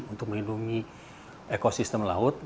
untuk melindungi ekosistem laut